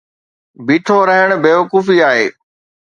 بيٺو رھڻ بيوقوفي آھي.